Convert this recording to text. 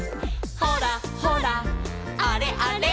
「ほらほらあれあれ」